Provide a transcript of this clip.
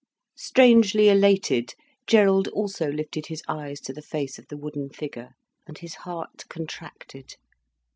Strangely elated, Gerald also lifted his eyes to the face of the wooden figure. And his heart contracted.